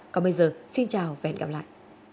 còn bây giờ xin chào và hẹn gặp lại